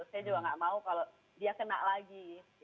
saya juga nggak mau kalau dia kena lagi